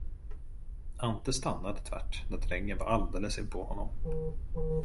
Ante stannade tvärt, när drängen var alldeles inpå honom.